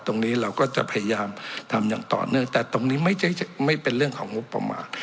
ตรงนี้เราก็จะพยายามทำอย่างต่อเนื่องแต่ตรงนี้ไม่ใช่ไม่เป็นเรื่องของงบประมาณ